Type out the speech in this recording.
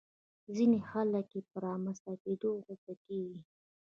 ځينې خلک يې په رامنځته کېدو غوسه کېږي.